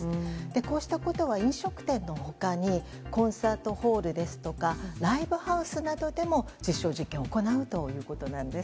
こうしたことは飲食店の他にコンサートホールですとかライブハウスなどでも実証実験を行うということなんです。